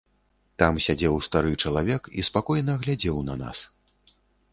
Там сядзеў стары чалавек і спакойна глядзеў на нас.